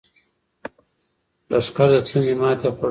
لښکر له تندې ماتې خوړلې وه.